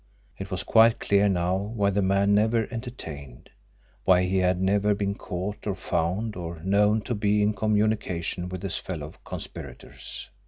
It was quite clear now why the man never entertained why he had never been caught or found or known to be in communication with his fellow conspirators!